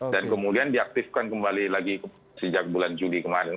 dan kemudian diaktifkan kembali lagi sejak bulan juli kemarin